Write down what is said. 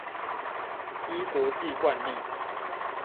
依國際慣例